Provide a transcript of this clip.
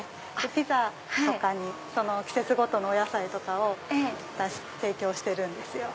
ピザとかに季節ごとのお野菜を出して提供してるんですよ。